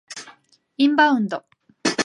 インバウンド